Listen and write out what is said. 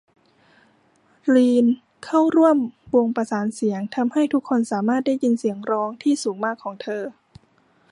ลีนเข้าร่วมวงประสานเสียง ทำให้ทุกคนสามารถได้ยินเสียงร้องที่สูงมากของเธอ